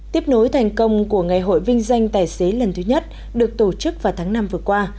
tiếp nối thành công của ngày hội vinh danh tài xế lần thứ nhất được tổ chức vào tháng năm vừa qua